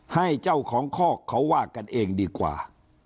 ให้เจ้าของคอกเขาว่ากันเองดีกว่า